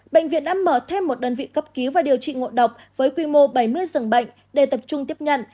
bệnh viện đã mở thêm một đơn vị cấp cứu và điều trị ngộ độc với quy mô bảy mươi giường bệnh để tập trung tiếp nhận